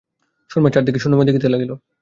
সুরমা চারিদিক শূন্যময় দেখিতে লাগিল।